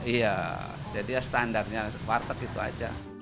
iya jadi ya standarnya warteg itu aja